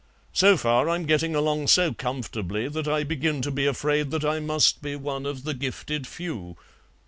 So far I'm getting along so comfortably that I begin to be afraid that I must be one of the gifted few."